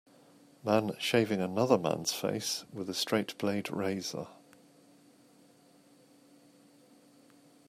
Man shaving another man 's face with a straight blade razor.